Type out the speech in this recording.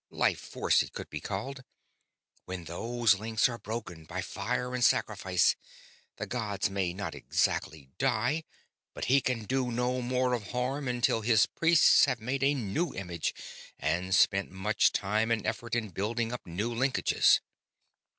Life force, it could be called. When those links are broken, by fire and sacrifice, the god may not exactly die, but he can do no more of harm until his priests have made a new image and spent much time and effort in building up new linkages.